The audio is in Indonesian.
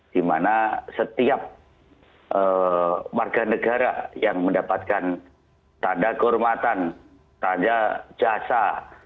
di mana setiap warga negara yang mendapatkan tanda kehormatan tanda jasa